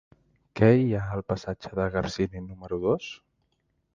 Què hi ha al passatge de Garcini número dos?